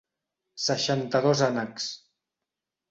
Seixanta-dos ànecs...